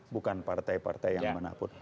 bukan partai partai yang mana pun